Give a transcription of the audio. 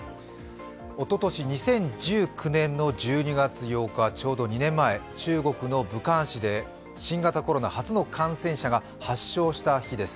おととし２０１９年１２月８日、ちょうど２年前、中国の武漢市で新型コロナの初の感染者が発生した日です。